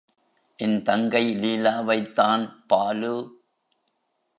என் தங்கை லீலாவைத் தான் பாலு!